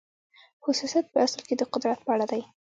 خو سیاست په اصل کې د قدرت په اړه دی.